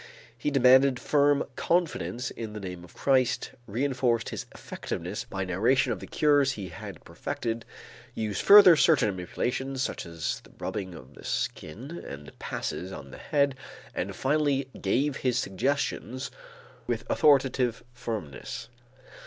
He demanded firm confidence in the name of Christ, reënforced his effectiveness by narration of the cures he had perfected, used further certain manipulations such as the rubbing of the skin and passes on the head, and finally gave his suggestions with authoritative firmness.